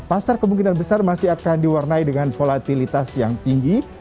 pasar kemungkinan besar masih akan diwarnai dengan volatilitas yang tinggi